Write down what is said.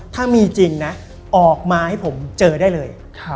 ถ้ามีจริงนะออกมาให้ผมเจอได้เลย